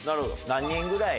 何人ぐらい？